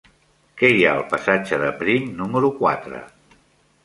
Què hi ha al passatge de Prim número quatre?